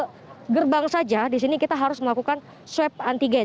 terbang saja di sini kita harus melakukan swab antigen